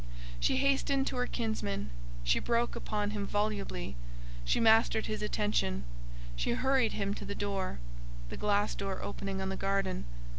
She hastened to her kinsman, she broke upon him volubly, she mastered his attention, she hurried him to the door—the glass door opening on the garden.